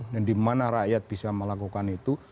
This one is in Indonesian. dan dimana rakyat bisa melakukan itu